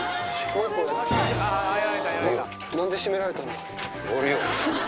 なんで閉められたんだ。